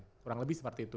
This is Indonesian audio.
kurang lebih seperti itu